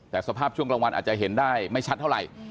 แต่สภาพช่วงกลางวันอาจจะเห็นได้ไม่ชัดเท่าไหร่